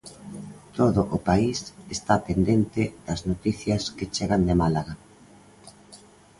Todo o país está pendente das noticias que chegan de Málaga.